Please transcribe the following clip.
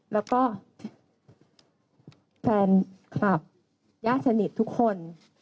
แล้วก็แฟนคลับญาติสนิททุกคน